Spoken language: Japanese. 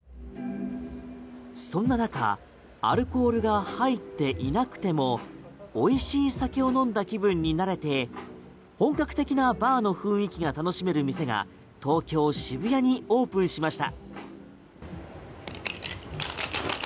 そんな中アルコールが入っていなくても美味しいお酒を飲んだ気分になれて本格的なバーの雰囲気が楽しめる店が東京・渋谷にオープンしました。